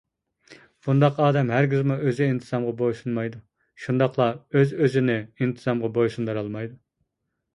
بۇنداق ئادەم ھەرگىزمۇ ئۆزى ئىنتىزامغا بويسۇنمايدۇ، شۇنداقلا ئۆز-ئۆزىنى ئىنتىزامغا بويسۇندۇرالمايدۇ.